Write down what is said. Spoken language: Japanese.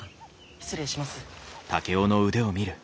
失礼します。